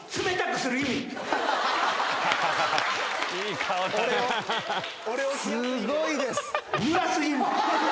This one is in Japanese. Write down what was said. すごいです。